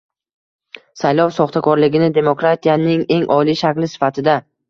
saylov soxtakorligini – demokratiyaning eng oliy shakli sifatida;